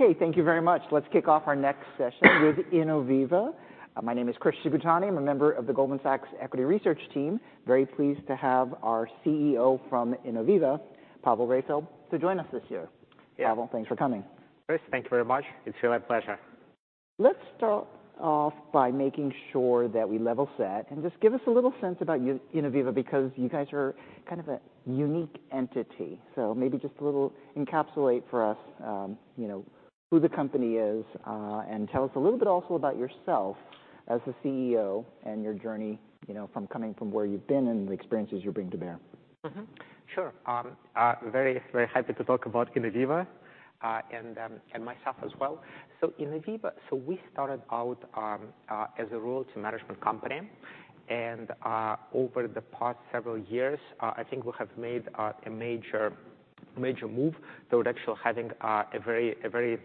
Okay, thank you very much. Let's kick off our next session with Innoviva. My name is Chris Shibutani. I'm a member of the Goldman Sachs Equity Research Team. Very pleased to have our CEO from Innoviva, Pavel Raifeld, to join us this year. Yeah. Pavel, thanks for coming. Chris, thank you very much. It's really my pleasure. Let's start off by making sure that we level set and just give us a little sense about Innoviva, because you guys are kind of a unique entity. So maybe just a little encapsulate for us, you know, who the company is, and tell us a little bit also about yourself as the CEO and your journey, you know, from coming from where you've been and the experiences you're bringing to bear. Sure. Very, very happy to talk about Innoviva, and, and myself as well. So Innoviva, so we started out as a royalty management company and, over the past several years, I think we have made a major, major move toward actually having a very, a very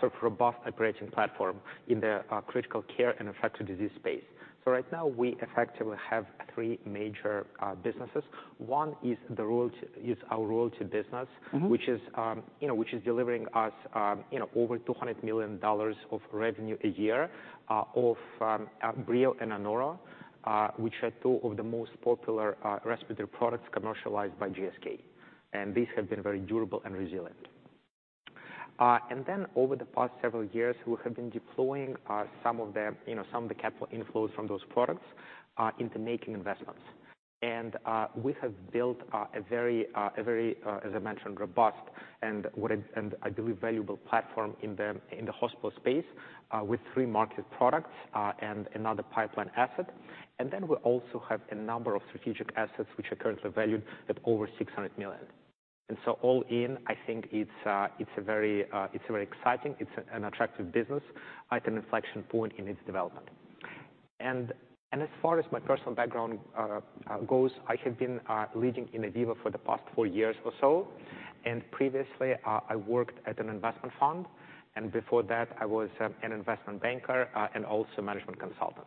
sort of robust operating platform in the critical care and infectious disease space. So right now we effectively have three major businesses. One is the royalty, is our royalty business- -which is, you know, which is delivering us, you know, over $200 million of revenue a year, of Breo and Anoro, which are two of the most popular, respiratory products commercialized by GSK, and these have been very durable and resilient. And then over the past several years, we have been deploying, some of the, you know, some of the capital inflows from those products, into making investments. And, we have built, a very, a very, as I mentioned, robust and what is... and a very valuable platform in the, in the hospital space, with three marketed products, and another pipeline asset. And then we also have a number of strategic assets, which are currently valued at over $600 million. And so all in, I think it's a very exciting, it's an attractive business at an inflection point in its development. And as far as my personal background goes, I have been leading Innoviva for the past 4 years or so, and previously I worked at an investment fund, and before that I was an investment banker and also a management consultant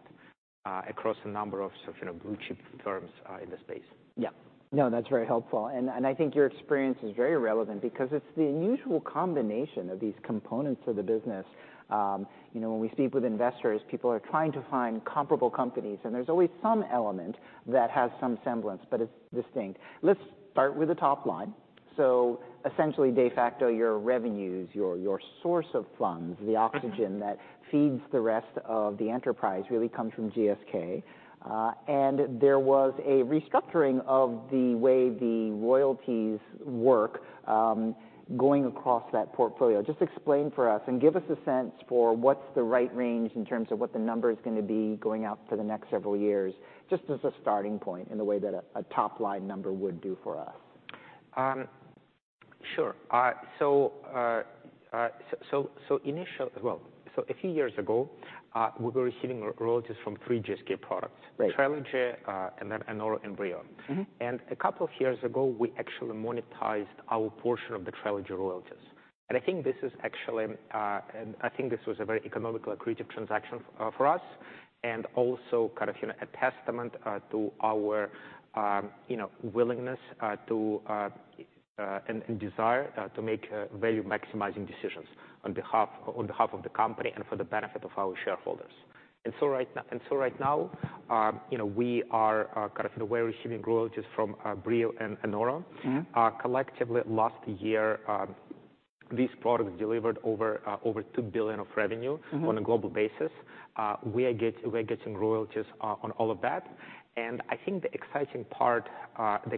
across a number of sort of, you know, blue chip firms in the space. Yeah. No, that's very helpful, and I think your experience is very relevant because it's the unusual combination of these components of the business. You know, when we speak with investors, people are trying to find comparable companies, and there's always some element that has some semblance, but it's distinct. Let's start with the top line. So essentially, de facto, your revenues, your source of funds, the oxygen that feeds the rest of the enterprise, really comes from GSK. And there was a restructuring of the way the royalties work, going across that portfolio. Just explain for us and give us a sense for what's the right range in terms of what the number is gonna be going out for the next several years, just as a starting point in the way that a top line number would do for us. Sure. Well, so a few years ago, we were receiving royalties from three GSK products. Right. Trelegy, and then Anoro and Breo. A couple of years ago, we actually monetized our portion of the Trelegy royalties, and I think this is actually. And I think this was a very economical, accretive transaction for us, and also kind of, you know, a testament to our, you know, willingness and desire to make value-maximizing decisions on behalf of the company and for the benefit of our shareholders. So right now, you know, we are kind of receiving royalties from Breo and Anoro. Collectively, last year, these products delivered over $2 billion of revenue on a global basis. We're getting royalties on all of that. And I think the exciting part about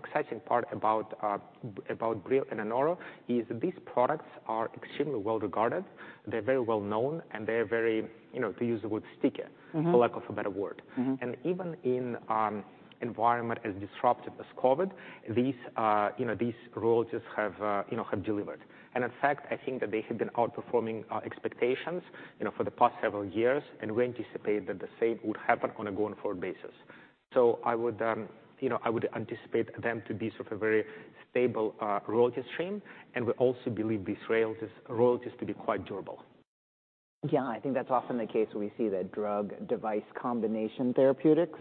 Breo and Anoro is these products are extremely well-regarded, they're very well-known, and they're very, you know, to use the word, sticky for lack of a better word. Even in an environment as disruptive as COVID, you know, these royalties have, you know, have delivered. In fact, I think that they have been outperforming expectations, you know, for the past several years, and we anticipate that the same would happen on a going forward basis. So I would, you know, I would anticipate them to be sort of a very stable royalty stream, and we also believe these royalties to be quite durable. Yeah, I think that's often the case when we see that drug-device combination therapeutics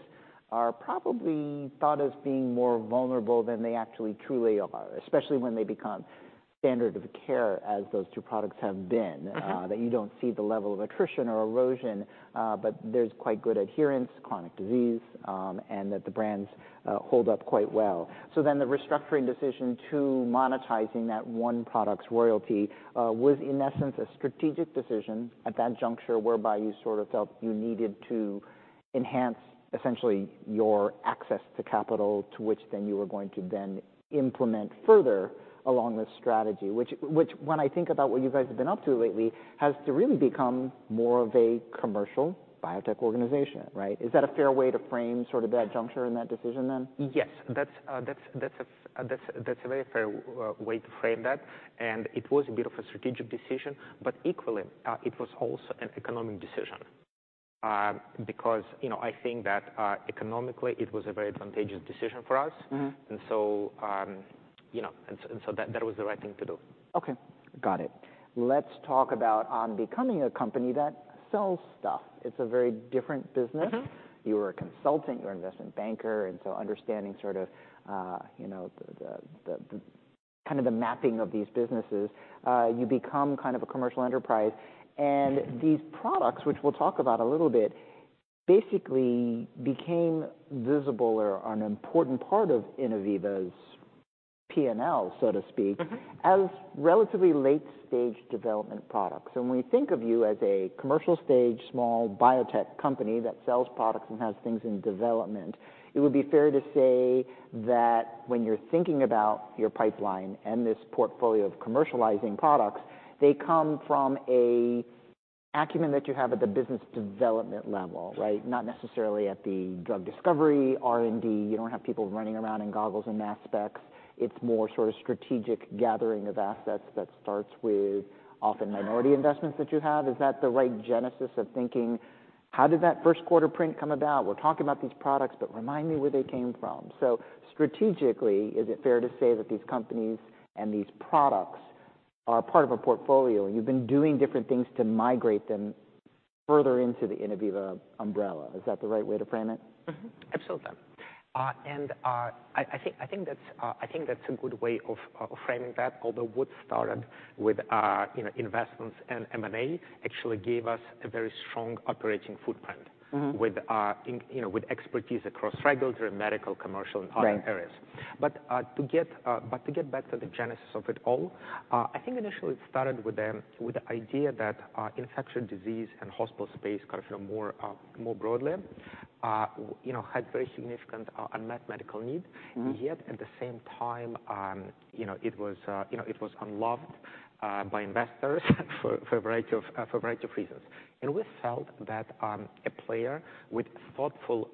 are probably thought as being more vulnerable than they actually truly are, especially when they become standard of care, as those two products have been. That you don't see the level of attrition or erosion, but there's quite good adherence, chronic disease, and that the brands hold up quite well. So then the restructuring decision to monetizing that one product's royalty was, in essence, a strategic decision at that juncture, whereby you sort of felt you needed to enhance essentially your access to capital, to which then you were going to then implement further along this strategy. Which, when I think about what you guys have been up to lately, has to really become more of a commercial biotech organization, right? Is that a fair way to frame sort of that juncture in that decision, then? Yes, that's a very fair way to frame that, and it was a bit of a strategic decision, but equally, it was also an economic decision. Because, you know, I think that, economically, it was a very advantageous decision for us. And so, you know, that was the right thing to do. Okay, got it. Let's talk about on becoming a company that sells stuff. It's a very different business. You were a consultant, you're an investment banker, and so understanding sort of, you know, the kind of mapping of these businesses, you become kind of a commercial enterprise. And these products, which we'll talk about a little bit, basically became visible or an important part of Innoviva's P&L, so to speak. as relatively late-stage development products. We think of you as a commercial-stage, small biotech company that sells products and has things in development. It would be fair to say that when you're thinking about your pipeline and this portfolio of commercializing products, they come from an acumen that you have at the business development level, right? Not necessarily at the drug discovery, R&D. You don't have people running around in goggles and mass specs. It's more sort of strategic gathering of assets that starts with often minority investments that you have. Is that the right genesis of thinking? How did that first quarter print come about? We're talking about these products, but remind me where they came from. So strategically, is it fair to say that these companies and these products are part of a portfolio, and you've been doing different things to migrate them further into the Innoviva umbrella? Is that the right way to frame it? Absolutely. And I think that's a good way of framing that. Although what started with you know, investments and M&A actually gave us a very strong operating footprint- Mm-hmm. you know, with expertise across regulatory, medical, commercial, and other areas. Right. But to get back to the genesis of it all, I think initially it started with the idea that infectious disease and hospital space kind of more broadly, you know, had very significant unmet medical needs. And yet at the same time, you know, it was, you know, it was unloved by investors for a variety of reasons. And we felt that a player with thoughtful,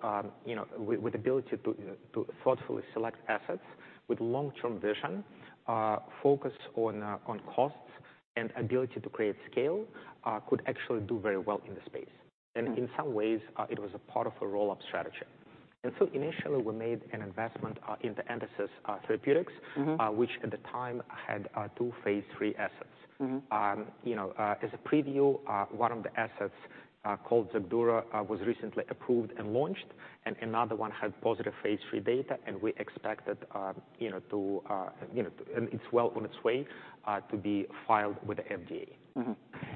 you know, with ability to thoughtfully select assets with long-term vision, focus on costs and ability to create scale could actually do very well in the space. In some ways, it was a part of a roll-up strategy. So initially, we made an investment into Entasis Therapeutics which at the time had two phase three assets. You know, as a preview, one of the assets, called XACDURO, was recently approved and launched, and another one had positive phase 3 data and we expected, you know, to, you know... And it's well on its way to be filed with the FDA.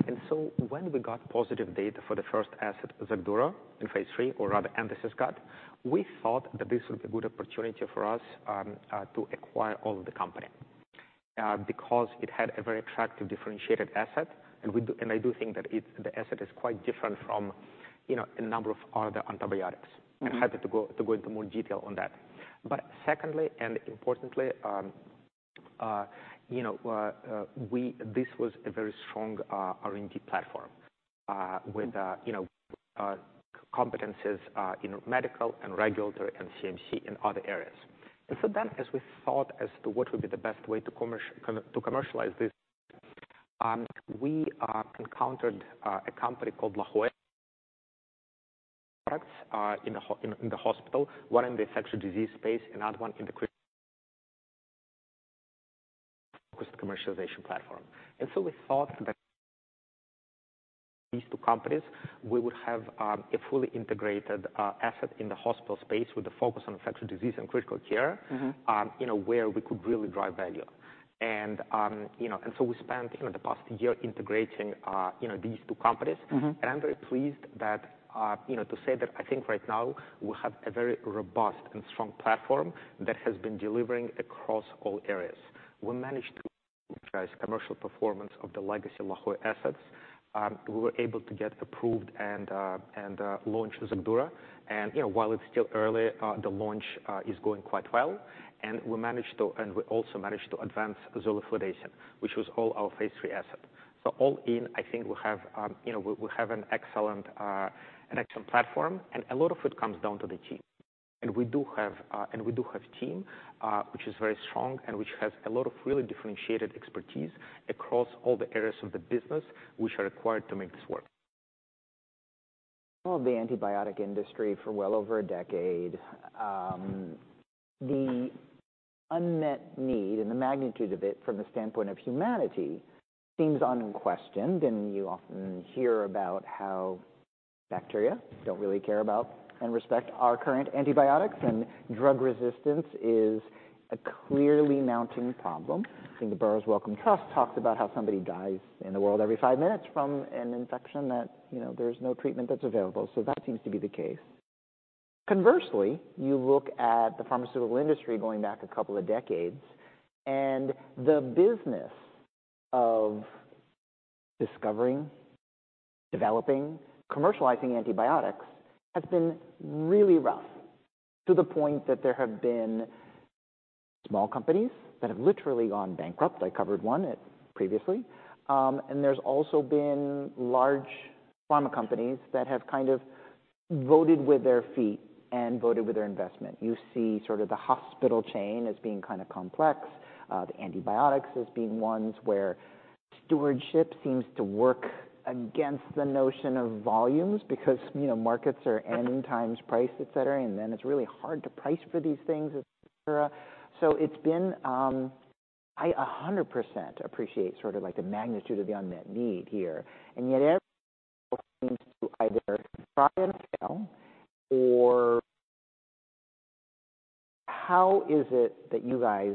And so when we got positive data for the first asset, XACDURO, in phase three, or rather Entasis got, we thought that this would be a good opportunity for us, to acquire all of the company, because it had a very attractive, differentiated asset. And we and I do think that it, the asset is quite different from, you know, a number of other antibiotics. Happy to go into more detail on that. But secondly, and importantly, you know, we, this was a very strong R&D platform with, you know, competencies in medical and regulatory and CMC and other areas. So, as we thought as to what would be the best way to commercialize this, we encountered a company called La Jolla products in the hospital, one in the infectious disease space, another one in the critical commercialization platform. So we thought that these two companies, we would have a fully integrated asset in the hospital space with a focus on infectious disease and critical care you know, where we could really drive value. And, you know, and so we spent, you know, the past year integrating, you know, these two companies. And I'm very pleased that, you know, to say that I think right now we have a very robust and strong platform that has been delivering across all areas. We managed to commercial performance of the legacy La Jolla assets. We were able to get approved and launch XACDURO. And, you know, while it's still early, the launch is going quite well. And we also managed to advance zoliflodacin, which was all our phase three asset. So all in, I think we have, you know, we, we have an excellent, an excellent platform, and a lot of it comes down to the team. We do have team, which is very strong and which has a lot of really differentiated expertise across all the areas of the business which are required to make this work. Well, the antibiotic industry for well over a decade, the unmet need and the magnitude of it from the standpoint of humanity seems unquestioned. And you often hear about how bacteria don't really care about and respect our current antibiotics, and drug resistance is a clearly mounting problem. I think the Burroughs Wellcome Trust talks about how somebody dies in the world every five minutes from an infection that, you know, there's no treatment that's available, so that seems to be the case. Conversely, you look at the pharmaceutical industry going back a couple of decades, and the business of discovering, developing, commercializing antibiotics has been really rough, to the point that there have been small companies that have literally gone bankrupt. I covered one at previously. There's also been large pharma companies that have kind of voted with their feet and voted with their investment. You see sort of the hospital chain as being kind of complex, the antibiotics as being ones where stewardship seems to work against the notion of volumes because, you know, markets are n times price, etc, and then it's really hard to price for these things, et cetera. So it's been, I 100% appreciate sort of like the magnitude of the unmet need here, and yet everything seems to either try and fail or how is it that you guys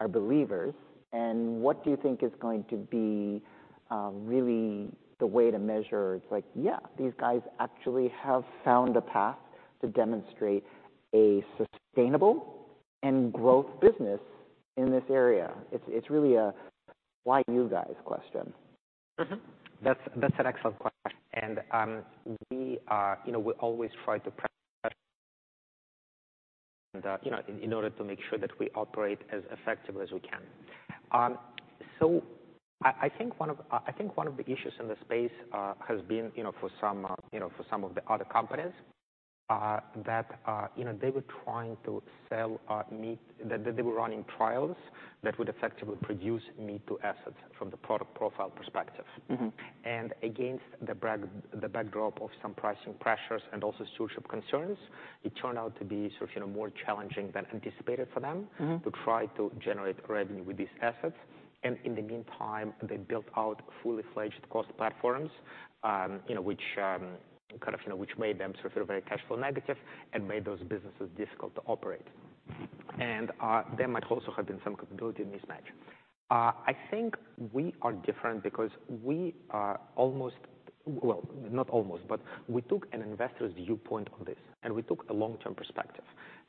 are believers, and what do you think is going to be really the way to measure? It's like, yeah, these guys actually have found a path to demonstrate a sustainable and growth business in this area. It's, it's really a why you guys question. That's an excellent question, and we are, you know, we always try to, you know, in order to make sure that we operate as effectively as we can. So I think one of the issues in the space has been, you know, for some of the other companies that, you know, they were trying to sell me-too, that they were running trials that would effectively produce me-too assets from the product profile perspective. Against the backdrop of some pricing pressures and also stewardship concerns, it turned out to be sort of, you know, more challenging than anticipated for them to try to generate revenue with these assets. And in the meantime, they built out fully fledged cost platforms, you know, which, kind of, you know, which made them sort of very cash flow negative and made those businesses difficult to operate. And, there might also have been some capability mismatch. I think we are different because we are almost... Well, not almost, but we took an investor's viewpoint on this, and we took a long-term perspective.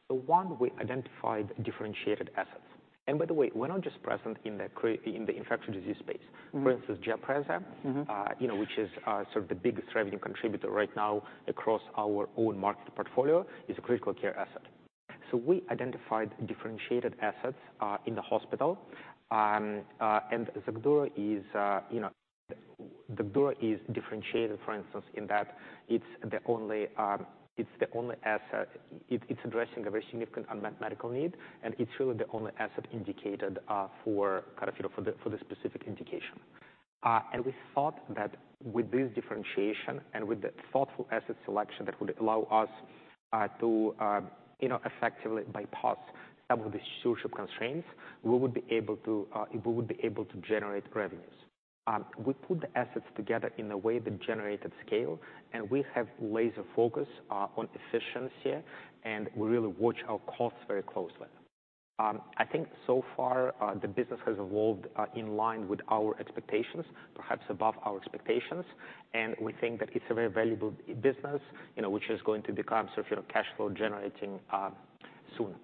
So one, we identified differentiated assets. And by the way, we're not just present in the in the infectious disease space. For instance, GIAPREZA you know, which is sort of the biggest revenue contributor right now across our own marketed portfolio, is a critical care asset. So we identified differentiated assets in the hospital. And XACDURO is, you know, XACDURO is differentiated, for instance, in that it's the only, it's the only asset. It's addressing a very significant unmet medical need, and it's really the only asset indicated for kind of, you know, for the specific indication. And we thought that with this differentiation and with the thoughtful asset selection that would allow us to you know, effectively bypass some of the social constraints, we would be able to generate revenues. We put the assets together in a way that generated scale, and we have laser focus on efficiency, and we really watch our costs very closely. I think so far the business has evolved in line with our expectations, perhaps above our expectations, and we think that it's a very valuable business, you know, which is going to become sort of, you know, cash flow generating soon.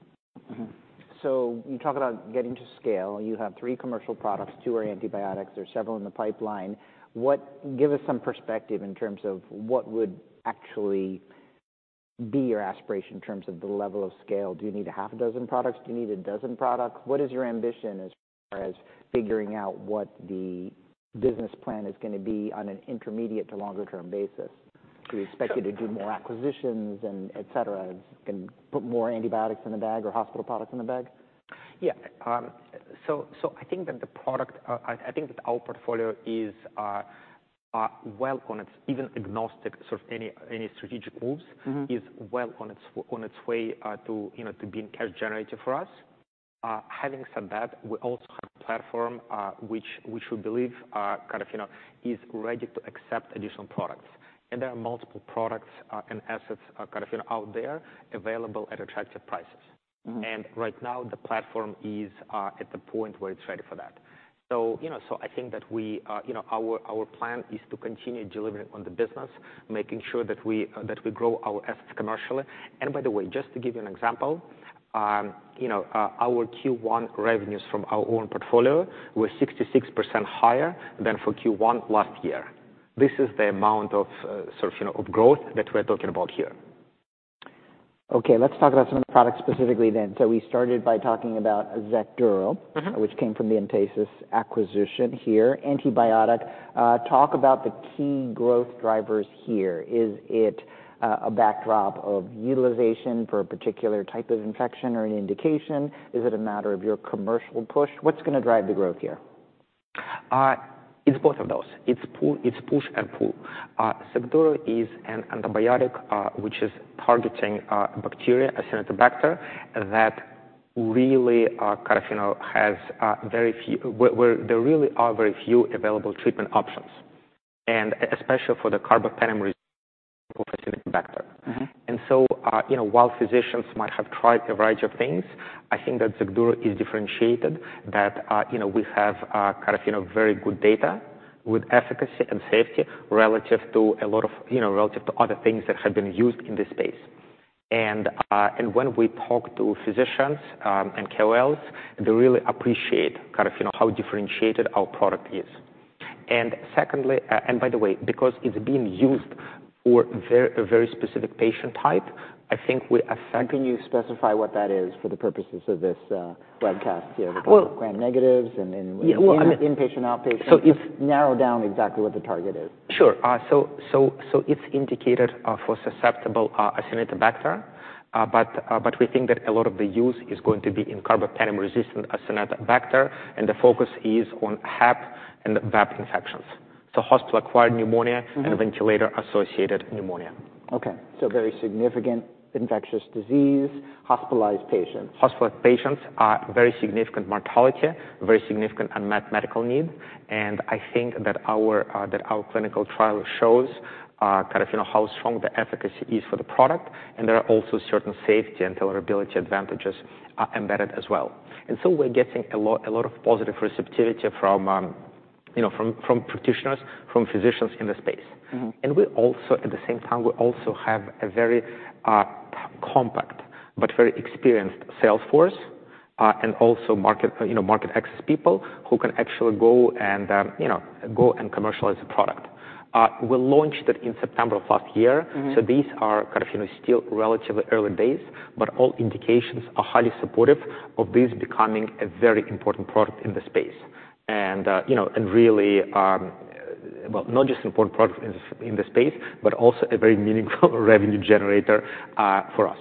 So you talk about getting to scale. You have three commercial products, two are antibiotics. There are several in the pipeline. What, give us some perspective in terms of what would actually be your aspiration in terms of the level of scale. Do you need a half a dozen products? Do you need a dozen products? What is your ambition as far as figuring out what the business plan is gonna be on an intermediate to longer term basis? Do you expect you to do more acquisitions and et cetera, and put more antibiotics in the bag or hospital products in the bag? Yeah. So, I think that our portfolio is well on its way, even agnostic, sort of any strategic moves- is well on its way to being cash generative for us. Having said that, we also have a platform which we believe kind of is ready to accept additional products. And there are multiple products and assets kind of out there available at attractive prices. Right now, the platform is at the point where it's ready for that. So, you know, so I think that we, you know, our plan is to continue delivering on the business, making sure that we grow our assets commercially. And by the way, just to give you an example, you know, our Q1 revenues from our own portfolio were 66% higher than for Q1 last year. This is the amount of sort of, you know, of growth that we're talking about here. Okay, let's talk about some of the products specifically then. So we started by talking about XACDURO which came from the Entasis acquisition here, antibiotic. Talk about the key growth drivers here. Is it a backdrop of utilization for a particular type of infection or an indication? Is it a matter of your commercial push? What's gonna drive the growth here? It's both of those. It's push and pull. XACDURO is an antibiotic which is targeting bacteria, Acinetobacter, that really kind of, you know, has very few where there really are very few available treatment options, and especially for the carbapenem-resistant Acinetobacter. And so, you know, while physicians might have tried a variety of things, I think that XACDURO is differentiated, that, you know, we have, kind of, you know, very good data with efficacy and safety relative to a lot of... You know, relative to other things that have been used in this space. And, and when we talk to physicians, and KOLs, they really appreciate kind of, you know, how differentiated our product is. And secondly, And by the way, because it's being used for very, a very specific patient type, I think we affect- Can you specify what that is for the purposes of this webcast here? Well- Gram-negatives and Yeah. Well, I mean- Inpatient, outpatient. So if- Narrow down exactly what the target is. Sure. So it's indicated for susceptible Acinetobacter, but we think that a lot of the use is going to be in carbapenem-resistant Acinetobacter, and the focus is on HAP and VAP infections. So hospital-acquired pneumonia- and ventilator-associated pneumonia. Okay, so very significant infectious disease, hospitalized patients. Hospitalized patients, very significant mortality, very significant unmet medical need. And I think that our, that our clinical trial shows, kind of, you know, how strong the efficacy is for the product, and there are also certain safety and tolerability advantages, embedded as well. And so we're getting a lot, a lot of positive receptivity from, you know, from, from practitioners, from physicians in the space. We also, at the same time, we also have a very compact but very experienced sales force, and also market, you know, market access people who can actually go and, you know, go and commercialize the product. We launched it in September of last year. So these are kind of, you know, still relatively early days, but all indications are highly supportive of this becoming a very important product in the space. And, you know, really, well, not just important product in the space, but also a very meaningful revenue generator, for us.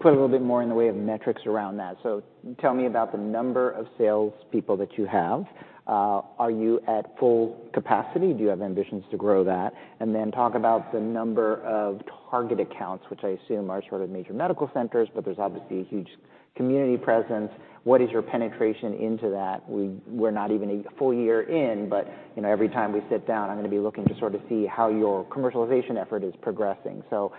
Put a little bit more in the way of metrics around that. So tell me about the number of salespeople that you have. Are you at full capacity? Do you have ambitions to grow that? And then talk about the number of target accounts, which I assume are sort of major medical centers, but there's obviously a huge community presence. What is your penetration into that? We're not even a full year in, but, you know, every time we sit down, I'm gonna be looking to sort of see how your commercialization effort is progressing. So,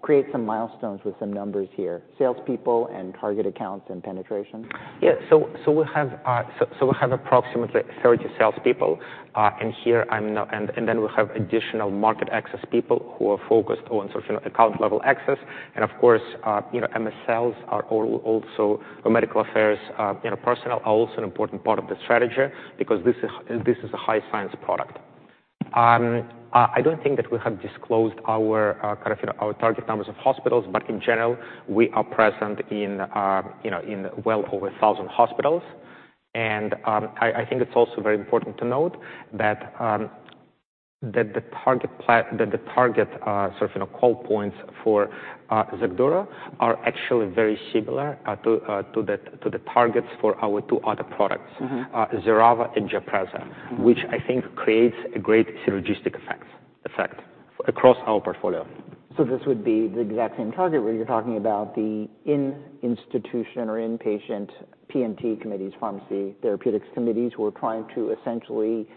create some milestones with some numbers here, salespeople and target accounts and penetration. Yeah. So we have approximately 30 salespeople, and then we have additional market access people who are focused on sort of, you know, account-level access. And of course, you know, MSLs are also medical affairs personnel are also an important part of the strategy because this is a high science product. I don't think that we have disclosed our kind of, you know, our target numbers of hospitals, but in general, we are present in, you know, in well over 1,000 hospitals. I think it's also very important to note that the target sort of, you know, call points for XACDURO are actually very similar to the targets for our two other products XERAVA and GIAPREZA. Which I think creates a great synergistic effect, effect across our portfolio. So this would be the exact same target, where you're talking about the institutional or inpatient P&T committees, pharmacy and therapeutics committees, who are trying to essentially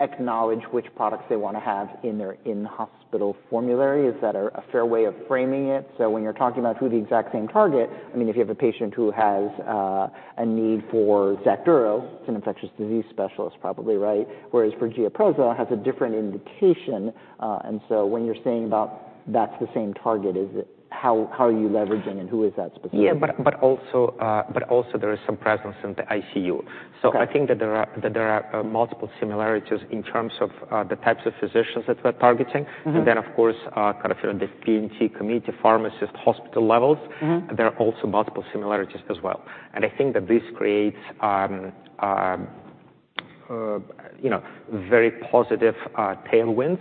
acknowledge which products they want to have in their in-hospital formulary. Is that a fair way of framing it? So when you're talking about who the exact same target, I mean, if you have a patient who has a need for XACDURO, it's an infectious disease specialist, probably, right? Whereas for GIAPREZA, has a different indication. And so when you're saying about that's the same target, is it, how are you leveraging and who is that specifically? Yeah, but also there is some presence in the ICU. Okay. I think that there are multiple similarities in terms of the types of physicians that we're targeting. And then, of course, kind of, you know, the P&T committee, pharmacist, hospital levels- There are also multiple similarities as well. I think that this creates, you know, very positive tailwinds.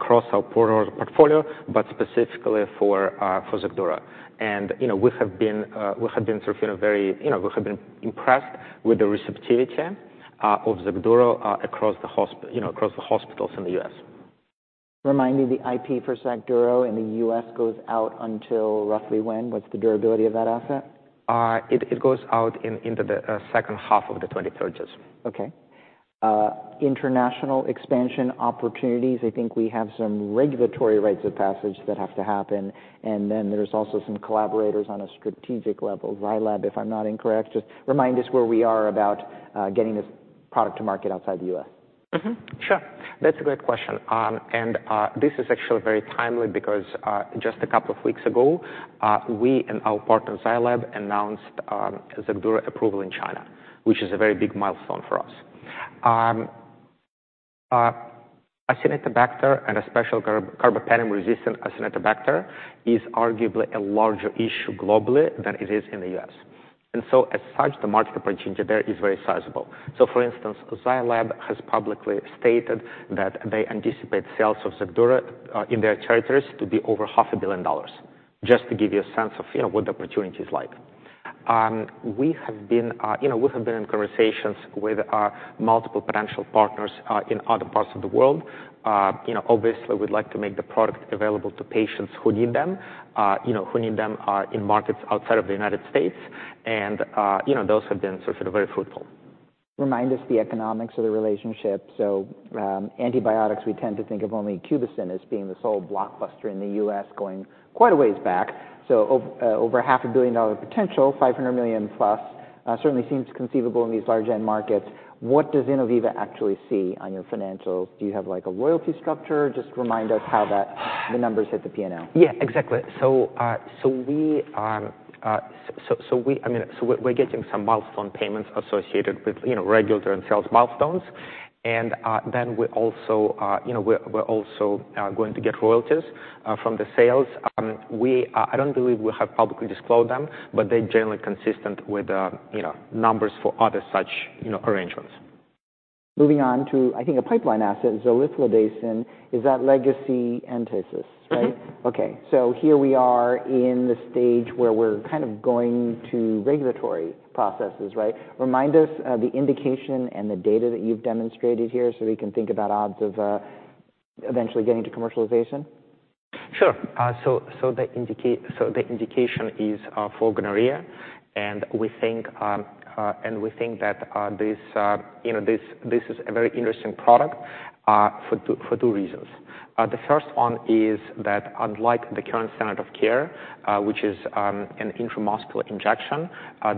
Across our portfolio, but specifically for XACDURO. And, you know, we have been sort of, you know, very... You know, we have been impressed with the receptivity of XACDURO across the hospitals in the US. Remind me, the IP for XACDURO in the US goes out until roughly when? What's the durability of that asset? It goes out into the second half of the 2030s. Okay. International expansion opportunities, I think we have some regulatory rites of passage that have to happen, and then there's also some collaborators on a strategic level. Zai Lab, if I'm not incorrect, just remind us where we are about getting this product to market outside the US. Mm-hmm. Sure, that's a great question. This is actually very timely because just a couple of weeks ago, we and our partner, Zai Lab, announced XACDURO approval in China, which is a very big milestone for us. Acinetobacter and carbapenem-resistant Acinetobacter is arguably a larger issue globally than it is in the U.S. And so, as such, the market opportunity there is very sizable. So for instance, Zai Lab has publicly stated that they anticipate sales of XACDURO in their territories to be over $500 million, just to give you a sense of, you know, what the opportunity is like. We have been, you know, we have been in conversations with multiple potential partners in other parts of the world. You know, obviously, we'd like to make the product available to patients who need them, you know, in markets outside of the United States. You know, those have been sort of very fruitful. Remind us the economics of the relationship. So, antibiotics, we tend to think of only Cubicin as being the sole blockbuster in the US, going quite a ways back. So over $500 million potential, $500 million+, certainly seems conceivable in these large end markets. What does Innoviva actually see on your financials? Do you have, like, a royalty structure? Just remind us how that, the numbers hit the P&L. Yeah, exactly. So we're getting some milestone payments associated with, you know, regulatory and sales milestones. And then we also, you know, we're also going to get royalties from the sales. I don't believe we have publicly disclosed them, but they're generally consistent with, you know, numbers for other such, you know, arrangements. Moving on to, I think, a pipeline asset, zoliflodacin. Is that legacy Entasis, right? Okay, so here we are in the stage where we're kind of going to regulatory processes, right? Remind us, the indication and the data that you've demonstrated here so we can think about odds of, eventually getting to commercialization. Sure. So the indication is for gonorrhea, and we think that this you know this is a very interesting product for two reasons. The first one is that unlike the current standard of care, which is an intramuscular injection,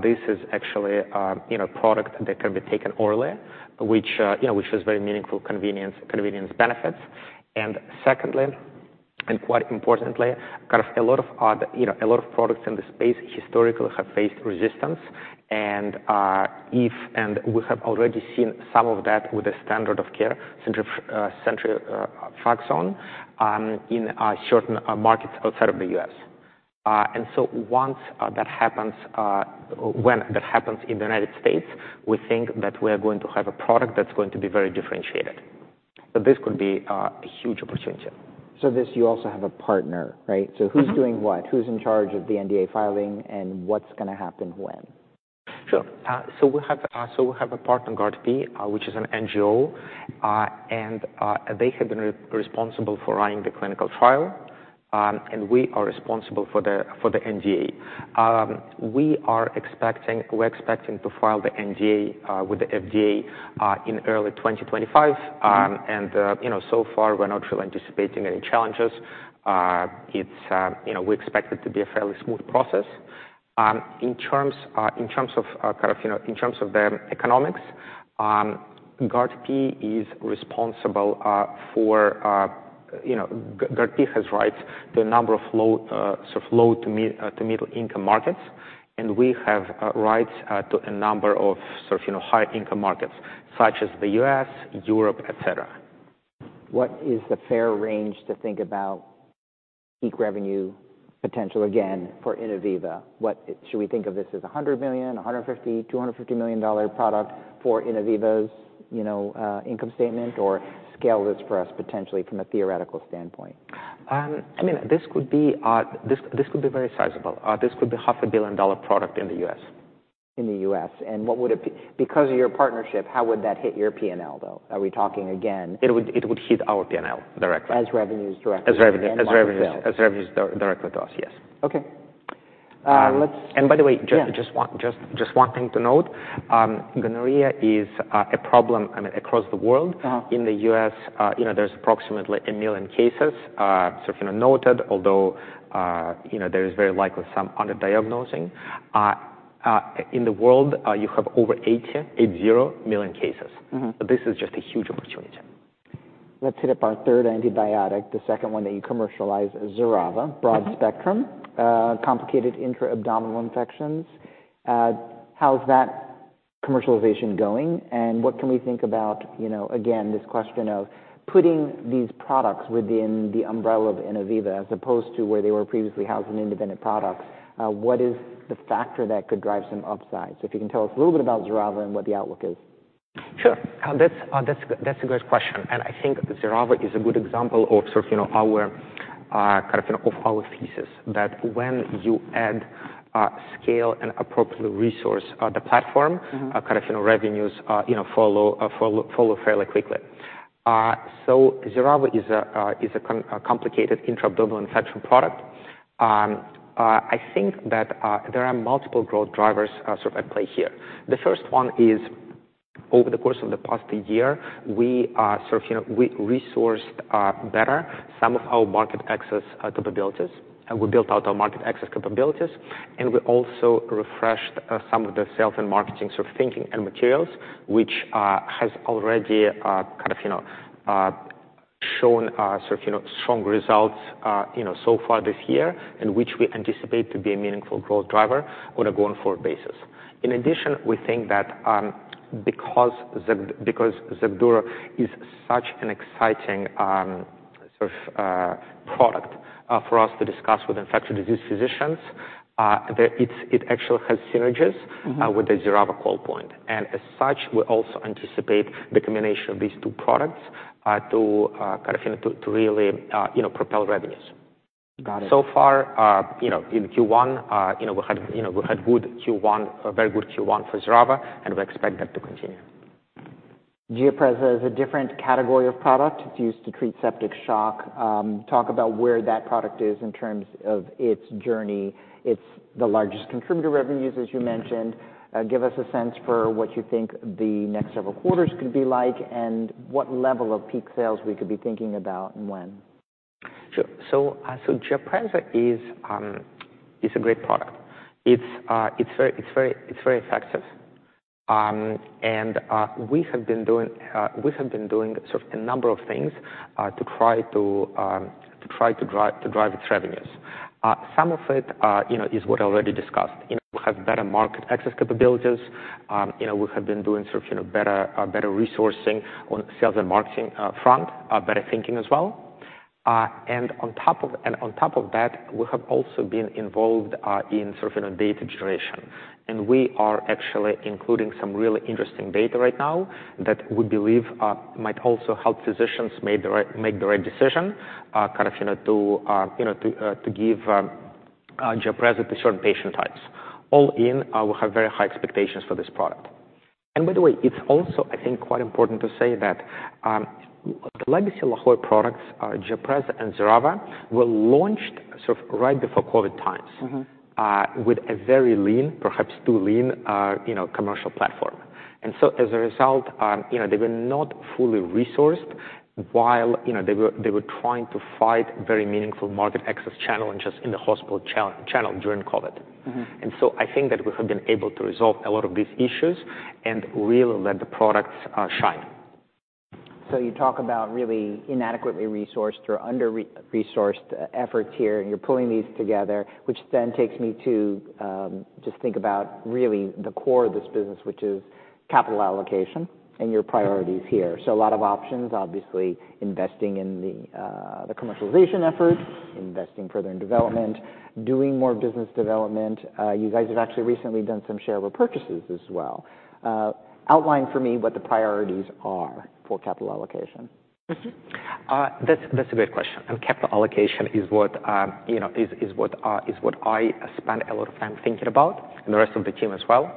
this is actually you know a product that can be taken orally, which you know which is very meaningful convenience benefits. And secondly, and quite importantly, kind of a lot of you know a lot of products in the space historically have faced resistance and we have already seen some of that with the standard of care, ceftriaxone, in certain markets outside of the US. And so once that happens, when that happens in the United States, we think that we are going to have a product that's going to be very differentiated. So this could be a huge opportunity. This, you also have a partner, right? Who's doing what? Who's in charge of the NDA filing, and what's gonna happen when? Sure. So we have a partner, GARDP, which is an NGO, and they have been responsible for running the clinical trial, and we are responsible for the NDA. We are expecting to file the NDA with the FDA in early 2025. You know, so far, we're not really anticipating any challenges. You know, we expect it to be a fairly smooth process. In terms of the economics, GARDP has rights to a number of low- to middle-income markets, and we have rights to a number of sort of high-income markets, such as the U.S., Europe, et cetera. What is the fair range to think about peak revenue potential again for Innoviva? What should we think of this as a $100 million, $150 million, $250 million-dollar product for Innoviva's, you know, income statement, or scale this for us potentially from a theoretical standpoint? I mean, this could be very sizable. This could be a $500 million-dollar product in the US. In the U.S., and what would it be... Because of your partnership, how would that hit your P&L, though? Are we talking again- It would, it would hit our P&L directly. As revenues directly? As revenues- What sale? As revenues directly to us, yes. Okay. By the way- Yeah... just one thing to note, gonorrhea is a problem, I mean, across the world. In the US, you know, there's approximately 1 million cases, so if you noted, although, you know, there is very likely some under-diagnosing. In the world, you have over 88 million cases. This is just a huge opportunity. Let's hit up our third antibiotic, the second one that you commercialize, XERAVA. Broad spectrum, complicated intra-abdominal infections. How's that commercialization going, and what can we think about, you know, again, this question of putting these products within the umbrella of Innoviva, as opposed to where they were previously housed in independent products? What is the factor that could drive some upside? So if you can tell us a little bit about XERAVA and what the outlook is. Sure. That's a great question, and I think XERAVA is a good example of sort of, you know, our kind of, you know, of our thesis, that when you add scale and appropriate resource the platform kind of, you know, revenues, you know, follow fairly quickly. So XERAVA is a complicated intra-abdominal infection product. I think that there are multiple growth drivers, sort of at play here. The first one is, over the course of the past year, we are sort of, you know, we resourced better some of our market access capabilities, and we built out our market access capabilities, and we also refreshed some of the sales and marketing sort of thinking and materials, which has already kind of, you know, shown sort of, you know, strong results, you know, so far this year, and which we anticipate to be a meaningful growth driver on a going-forward basis. In addition, we think that because XACDURO is such an exciting sort of product for us to discuss with infectious disease physicians, that it actually has synergies with the XERAVA call point. And as such, we also anticipate the combination of these two products to kind of, you know, to really, you know, propel revenues. Got it. So far, you know, in Q1, you know, we had, you know, we had good Q1, a very good Q1 for XERAVA, and we expect that to continue. GIAPREZA is a different category of product. It's used to treat septic shock. Talk about where that product is in terms of its journey. It's the largest contributor revenues, as you mentioned. Give us a sense for what you think the next several quarters could be like and what level of peak sales we could be thinking about and when. Sure. So, GIAPREZA is a great product. It's very effective. And we have been doing sort of a number of things to try to drive its revenues. Some of it, you know, is what I already discussed. You know, we have better market access capabilities. You know, we have been doing sort of better resourcing on the sales and marketing front, better thinking as well. And on top of that, we have also been involved in sort of, you know, data generation, and we are actually including some really interesting data right now that we believe might also help physicians make the right decision, kind of, you know, to give GIAPREZA to certain patient types. All in, we have very high expectations for this product. And by the way, it's also, I think, quite important to say that the legacy La Jolla products, GIAPREZA and XERAVA, were launched sort of right before COVID times with a very lean, perhaps too lean, you know, commercial platform. And so as a result, you know, they were not fully resourced while, you know, they were trying to fight very meaningful market access channel and just in the hospital channel during COVID. So I think that we have been able to resolve a lot of these issues and really let the products shine. So you talk about really inadequately resourced or under-resourced efforts here, and you're pulling these together, which then takes me to just think about really the core of this business, which is capital allocation and your priorities here. So a lot of options, obviously, investing in the commercialization efforts, investing further in development, doing more business development. You guys have actually recently done some share repurchases as well. Outline for me what the priorities are for capital allocation. That's a great question, and capital allocation is what I spend a lot of time thinking about, and the rest of the team as well.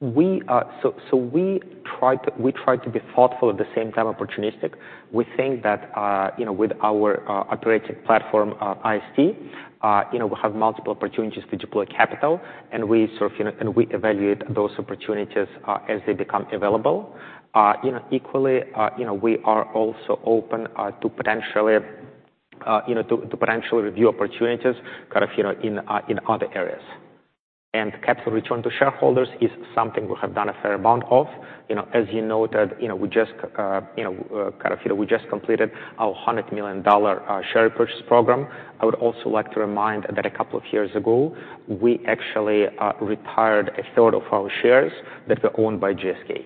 So we try to be thoughtful, at the same time, opportunistic. We think that, you know, with our operating platform, is that, you know, we have multiple opportunities to deploy capital, and we sort of, you know, evaluate those opportunities as they become available. You know, equally, you know, we are also open to potentially, you know, review opportunities kind of, you know, in other areas. And capital return to shareholders is something we have done a fair amount of. You know, as you noted, you know, we just, you know, kind of, you know, we just completed our $100 million share purchase program. I would also like to remind that a couple of years ago, we actually retired a third of our shares that were owned by GSK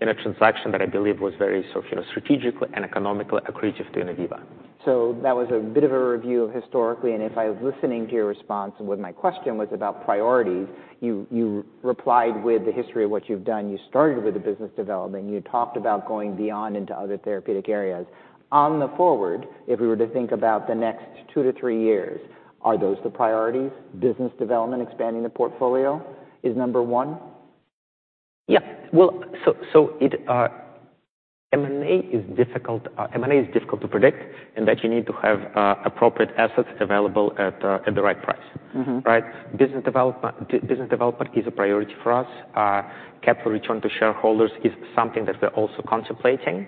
in a transaction that I believe was very sort of, you know, strategically and economically accretive to Innoviva. So that was a bit of a review historically, and if I was listening to your response and what my question was about priorities, you replied with the history of what you've done. You started with the business development, you talked about going beyond into other therapeutic areas. Going forward, if we were to think about the next 2-3 years, are those the priorities? Business development, expanding the portfolio is number one? Yeah. Well, M&A is difficult. M&A is difficult to predict, in that you need to have appropriate assets available at the right price. Right? Business development is a priority for us. Capital return to shareholders is something that we're also contemplating.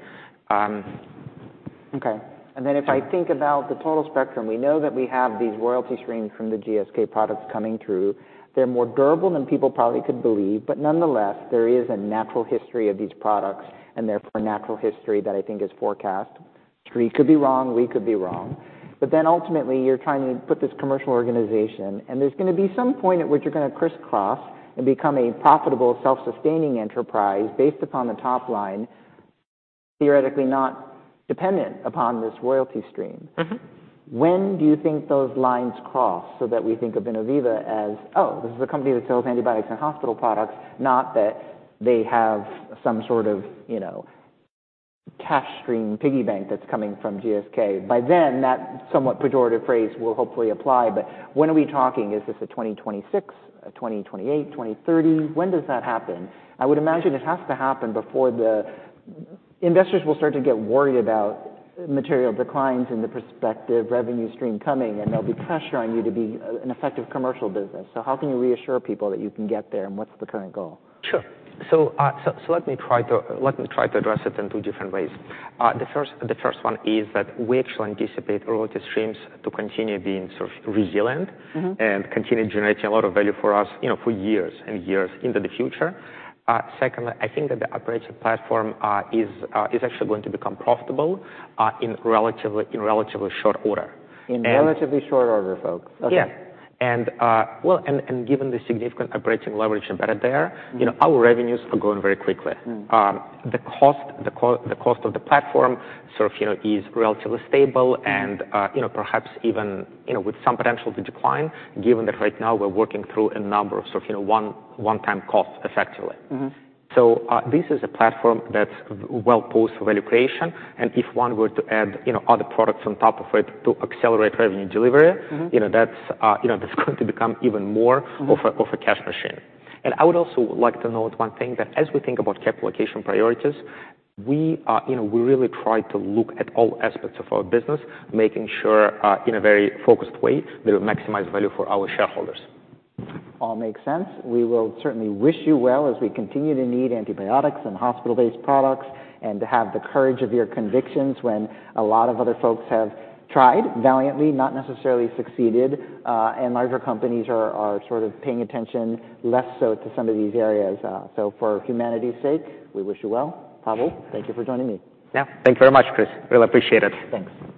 Okay. And then if I think about the total spectrum, we know that we have these royalty streams from the GSK products coming through. They're more durable than people probably could believe, but nonetheless, there is a natural history of these products and therefore, a natural history that I think is forecast. We could be wrong, we could be wrong. But then ultimately, you're trying to put this commercial organization, and there's gonna be some point at which you're gonna crisscross and become a profitable, self-sustaining enterprise based upon the top line, theoretically not dependent upon this royalty stream. When do you think those lines cross so that we think of Innoviva as, "Oh, this is a company that sells antibiotics and hospital products, not that they have some sort of, you know, cash stream piggy bank that's coming from GSK"? By then, that somewhat pejorative phrase will hopefully apply, but when are we talking? Is this a 2026, a 2028, 2030? When does that happen? I would imagine it has to happen before the... Investors will start to get worried about material declines in the prospective revenue stream coming, and they'll be pressuring you to be an effective commercial business. So how can you reassure people that you can get there, and what's the current goal? Sure. So, let me try to address it in two different ways. The first one is that we actually anticipate royalty streams to continue being sort of resilient- and continue generating a lot of value for us, you know, for years and years into the future. Secondly, I think that the operation platform is actually going to become profitable in relatively short order. And- In relatively short order, folks. Okay. Yeah. And, well, given the significant operating leverage embedded there, you know, our revenues are growing very quickly. The cost of the platform, sort of, you know, is relatively stable and, you know, perhaps even, you know, with some potential to decline, given that right now we're working through a number of sort of, you know, one-time costs, effectively. This is a platform that's well-positioned for value creation, and if one were to add, you know, other products on top of it to accelerate revenue delivery you know, that's, you know, that's going to become even more of a cash machine. And I would also like to note one thing, that as we think about capital allocation priorities, we are, you know, we really try to look at all aspects of our business, making sure, in a very focused way, that we maximize value for our shareholders. All makes sense. We will certainly wish you well as we continue to need antibiotics and hospital-based products, and to have the courage of your convictions when a lot of other folks have tried valiantly, not necessarily succeeded, and larger companies are, are sort of paying attention less so to some of these areas. So for humanity's sake, we wish you well. Pavel, thank you for joining me. Yeah, thank you very much, Chris. Really appreciate it. Thanks.